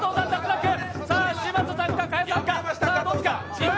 嶋佐さんか賀屋さんかどっちか？